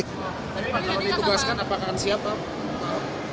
tapi kalau ditugaskan apakah siapa